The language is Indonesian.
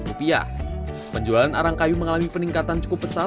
seorang produsen arang kayu di banyumas jawa tengah bisa merab uang hingga rp jutaan